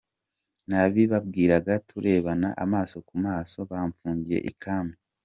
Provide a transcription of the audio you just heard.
Nabibabwiraga turebana amaso ku maso, bamfungiye I Kami.